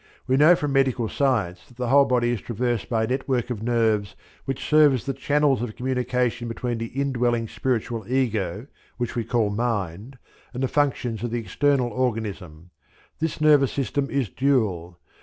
We know from medical science that the whole body is traversed by a network of nerves which serve as the channels of communication between the indwelling spiritual ego, which we call mind, and the functions of the external organism. This nervous system is dual.